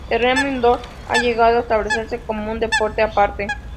El remo indoor ha llegado a establecerse como un deporte aparte.